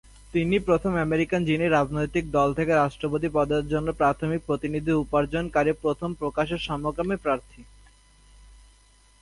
তিনি প্রথম আমেরিকান যিনি রাজনৈতিক দল থেকে রাষ্ট্রপতি পদের জন্য প্রাথমিক প্রতিনিধি উপার্জনকারী প্রথম প্রকাশ্য সমকামী প্রার্থী।